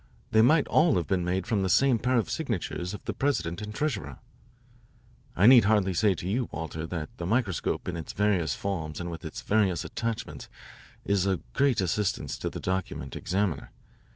They might all have been made from the same pair of signatures of the president and treasurer. "I need hardly to say to you, Walter, that the microscope in its various forms and with its various attachments is of great assistance to the document examiner.